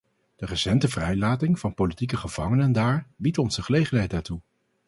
De recente vrijlating van politieke gevangenen daar, biedt ons de gelegenheid daartoe.